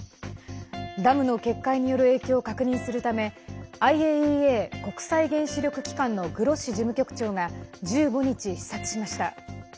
ダムの決壊による影響を確認するためＩＡＥＡ＝国際原子力機関のグロッシ事務局長が１５日視察しました。